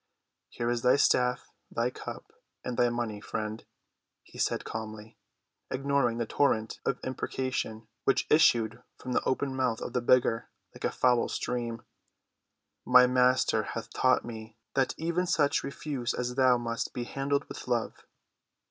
"Here is thy staff, thy cup, and thy money, friend," he said calmly, ignoring the torrent of imprecation which issued from the open month of the beggar like a foul stream. "My Master hath taught me that even such refuse as thou must be handled with love.